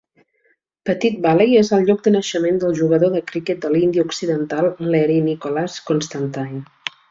Petit Valley és el lloc de naixement del jugador de criquet de l'Índia Occidental Learie Nicholas Constantine.